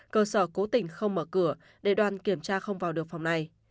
cơ sở cố tình không mở cửa để đoàn kiểm tra không vào được phòng này